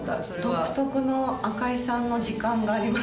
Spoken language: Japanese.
独特の赤井さんの時間がありますよね。